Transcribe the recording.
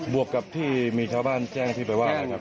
วกกับที่มีชาวบ้านแจ้งที่ไปว่านะครับ